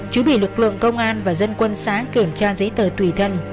chú bị lực lượng công an và dân quân xá kiểm tra giấy tờ tùy thân